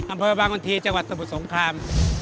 อำเภอบางวันทีจังหวัดสมุทรสงคราม